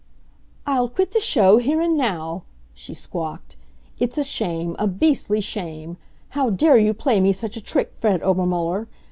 "I'll quit the show here and now," she squawked. "It's a shame, a beastly shame. How dare you play me such a trick, Fred Obermuller?